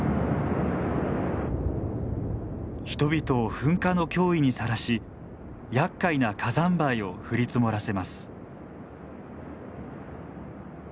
人々を噴火の脅威にさらしやっかいな火山灰を降り積もらせます。